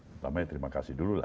utamanya terima kasih dulu lah